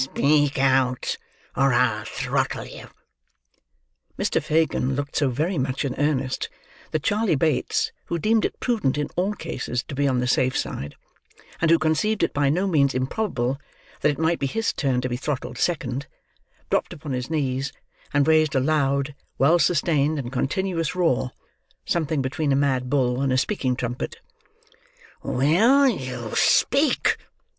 "Speak out, or I'll throttle you!" Mr. Fagin looked so very much in earnest, that Charley Bates, who deemed it prudent in all cases to be on the safe side, and who conceived it by no means improbable that it might be his turn to be throttled second, dropped upon his knees, and raised a loud, well sustained, and continuous roar—something between a mad bull and a speaking trumpet. "Will you speak?"